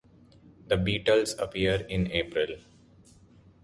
The beetles appear in April.